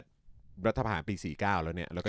จากรัฐพาหาปี๑๙๔๙แล้วเนี่ย